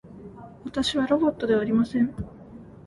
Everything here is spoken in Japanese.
私はロボットではありません